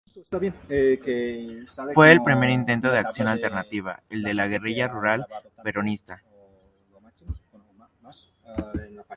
Fue el primer intento de acción alternativa, el de la guerrilla rural peronista.